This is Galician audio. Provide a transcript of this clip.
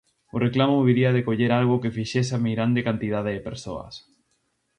O reclamo viría de coller algo que fixese a meirande cantidade de persoas.